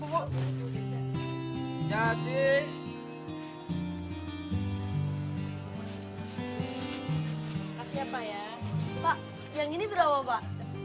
pak yang ini berapa pak